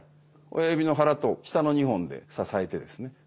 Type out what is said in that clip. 親指の腹と下の２本で支えてですね。